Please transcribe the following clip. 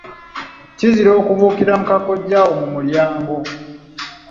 Kizira okubuukira muka kkojjaawo mu mulyango.